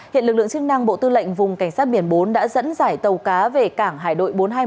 hiện lực lượng chức năng bộ tư lệnh vùng cảnh sát biển bốn đã dẫn dải tàu cá về cảng hải đội bốn trăm hai mươi một